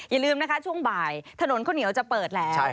อย่าลืมนะคะช่วงบ่ายถนนข้าวเหนียวจะเปิดแล้ว